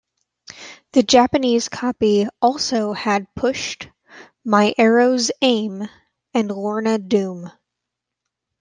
The Japanese copy also had "Pushed", "My Arrow's Aim", and "Lorna Doom".